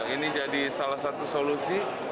ini jadi salah satu solusi